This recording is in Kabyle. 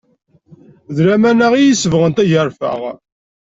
D lamana i isebɣen tagerfa.